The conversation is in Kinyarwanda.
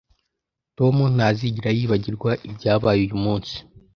Tom ntazigera yibagirwa ibyabaye uyu munsi